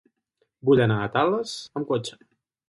Vull anar a Tales amb cotxe.